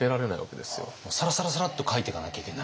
サラサラサラッと描いてかなきゃいけない。